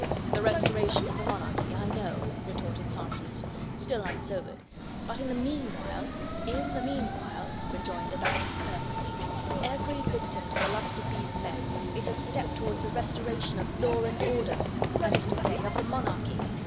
"The restoration of the monarchy I know," retorted St. Just, still unsobered, "but, in the meanwhile " "In the meanwhile," rejoined de Batz earnestly, "every victim to the lust of these men is a step towards the restoration of law and order that is to say, of the monarchy.